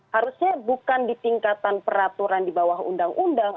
harusnya bukan di tingkatan peraturan di bawah undang undang